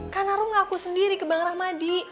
karena rom ngaku sendiri ke bang rahmadi